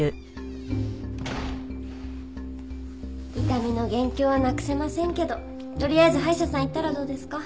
痛みの元凶はなくせませんけどとりあえず歯医者さん行ったらどうですか？